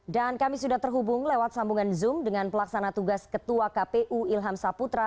dan kami sudah terhubung lewat sambungan zoom dengan pelaksana tugas ketua kpu ilham saputra